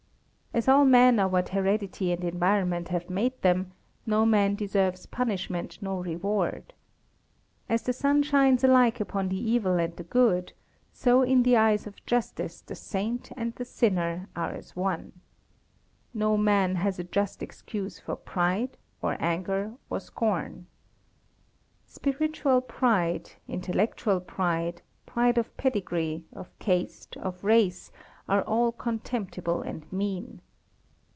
As all men are what heredity and environment have made them, no man deserves punishment nor reward. As the sun shines alike upon the evil and the good, so in the eyes of justice the saint and the sinner are as one. No man has a just excuse for pride, or anger, or scorn. Spiritual pride, intellectual pride, pride of pedigree, of caste, of race are all contemptible and mean.